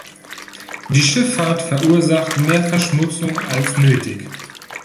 Die Schifffahrt verursacht mehr Verschmutzung als nötig.